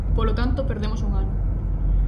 Polo tanto, perdemos un ano.